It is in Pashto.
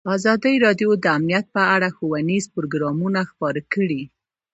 ازادي راډیو د امنیت په اړه ښوونیز پروګرامونه خپاره کړي.